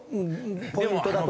ポイントだとか。